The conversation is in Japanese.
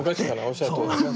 おっしゃるとおり。